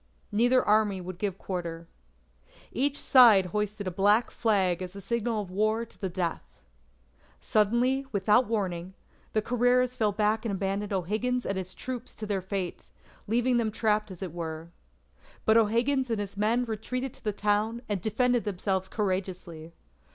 Neither Army would give quarter. Each side hoisted a black flag as a signal of war to the death. Suddenly, without warning, the Carreras fell back and abandoned O'Higgins and his troop to their fate, leaving them trapped as it were. But O'Higgins and his men retreated into the town and defended themselves courageously.